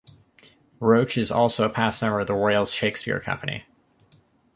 Roache is also a past member of the Royal Shakespeare Company.